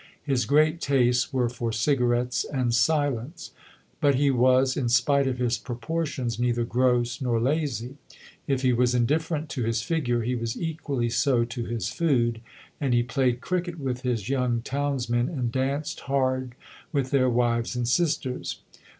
His great tastes were for cigarettes and silence ; but he was, in spite of his proportions, neither gross nor lazy. If he was indifferent to his figure he was equally so to his food, and he played cricket with his young towns men and danced hard with their wives and sisters.